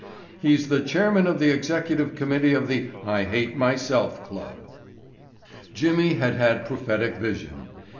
"He's the chairman of the executive committee of the I Hate Myself Club." Jimmy had had prophetic vision.